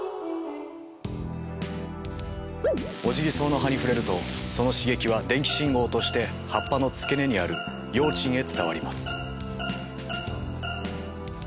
オジギソウの葉に触れるとその刺激は電気信号として葉っぱの付け根にある葉枕へ伝わります。